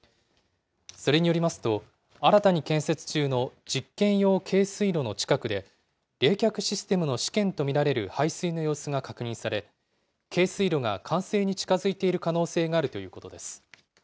それによりますと、新たに建設中の実験用軽水炉の近くで、冷却システムの試験と見られる排水の様子が確認され、軽水炉が完成に近づいている可能性があるということです。